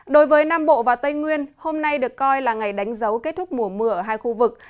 đối với nam bộ và tây nguyên hôm nay được coi là ngày đánh dấu kết thúc mùa mưa ở hai khu vực